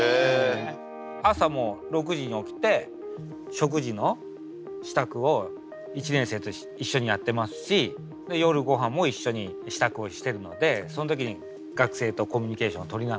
朝も６時に起きて食事の支度を１年生と一緒にやってますし夜ごはんも一緒に支度をしてるのでその時に学生とコミュニケーションを取りながら。